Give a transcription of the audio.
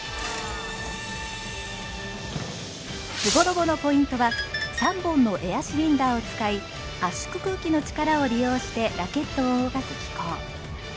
「超絶機巧」のポイントは３本のエアシリンダーを使い圧縮空気の力を利用してラケットを動かす機構。